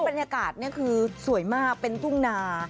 บรรยากาศนี่คือสวยมากเป็นทุ่งนา